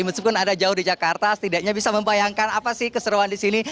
meskipun ada jauh di jakarta setidaknya bisa membayangkan apa sih keseruan di sini